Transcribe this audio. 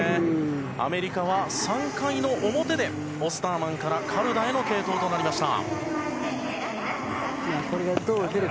アメリカは３回の表でオスターマンからカルダへの継投となりました。